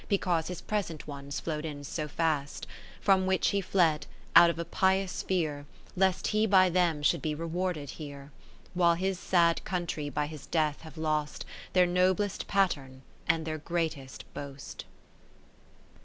Because his present ones flow'd in so fast ; From which he fled, out of a pious fear. Lest he by them should be rewarded here; While his sad country by his death have lost Their noblest pattern, and their greatest boast.